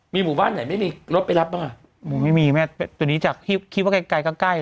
มีหมู่บ้านไหนไม่มีรถไปรับปะอ่ะไม่มีแม่ตัวนี้จากคิดว่าใกล้ใกล้